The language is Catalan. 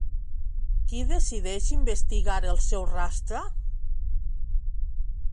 Qui decideix investigar el seu rastre?